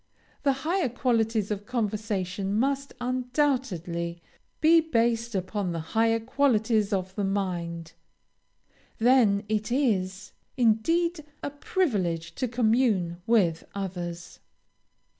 The higher qualities of conversation must undoubtedly be based upon the higher qualities of the mind; then it is, indeed, a privilege to commune with others.